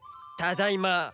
ただいま。